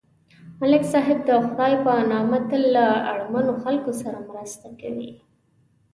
ملک صاحب د خدای په نامه تل له اړمنو خلکو سره مرسته کوي.